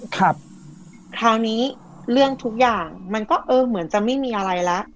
คราวนี้เรื่องทุกอย่างมันก็เออเหมือนจะไม่มีอะไรแล้ว